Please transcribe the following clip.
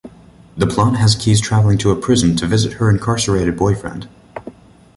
The plot has Keys traveling to a prison to visit her incarcerated boyfriend.